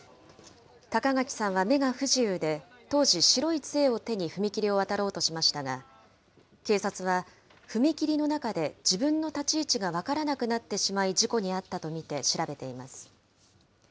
高垣さんは目が不自由で、当時、白いつえを手に踏切を渡ろうとしましたが、警察は踏切の中で自分の立ち位置が分からなくなってしまい事故に遭ったと見て調べています。